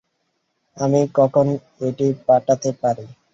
আমি কখন এটি পাঠাতে পারি?